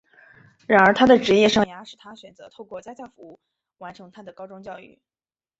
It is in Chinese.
然而他的职业生涯使他选择透过家教服务完成他的高中教育。